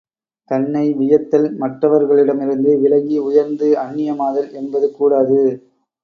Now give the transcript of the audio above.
தன்னை வியத்தல், மற்றவர்களிடமிருந்து விலகி உயர்ந்து அந்நியமாதல் என்பது கூடாது.